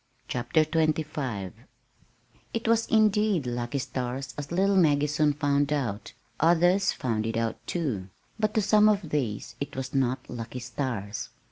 CHAPTER XXV It was, indeed, "lucky stars," as little Maggie soon found out. Others found it out, too; but to some of these it was not "lucky" stars.